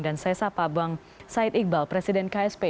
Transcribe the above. dan saya sapa bang said iqbal presiden ksp